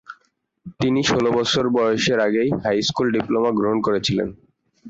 তিনি ষোল বছর বয়সের আগেই হাই-স্কুল ডিপ্লোমা গ্রহণ করেছিলেন।